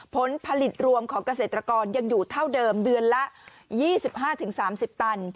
ผลผลิตรวมของเกษตรกรยังอยู่เท่าเดิมเดือนละ๒๕๓๐ตัน